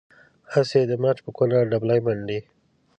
هسې د مچ په کونه ډبلی منډي.